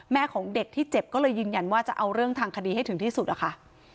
ของเด็กที่เจ็บก็เลยยืนยันว่าจะเอาเรื่องทางคดีให้ถึงที่สุดอะค่ะ